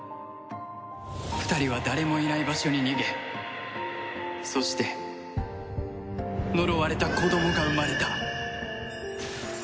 ２人は誰もいない場所に逃げそして呪われた子供が生まれた。